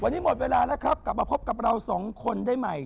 วันนี้หมดเวลาแล้วครับกลับมาพบกับเราสองคนได้ใหม่